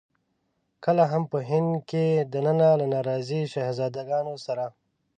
کله هم په هند کې دننه له ناراضي شهزاده ګانو سره.